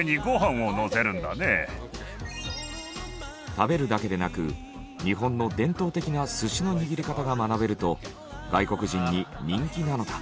食べるだけでなく日本の伝統的な寿司の握り方が学べると外国人に人気なのだ。